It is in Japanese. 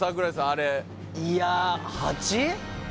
あれいや８？